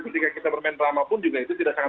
ketika kita bermain drama pun juga itu tidak sangat